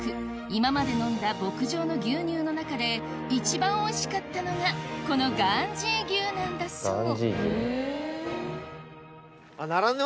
今まで飲んだ牧場の牛乳の中で一番おいしかったのがこのガーンジィ牛なんだそう